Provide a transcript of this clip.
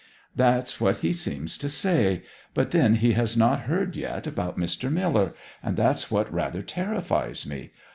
'That's what he seems to say. But then he has not heard yet about Mr. Miller; and that's what rather terrifies me.